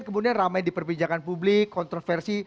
kemudian ramai di perpijakan publik kontroversi